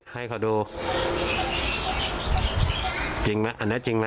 ให้เขาดูจริงมั้ยอันนี้จริงมั้ย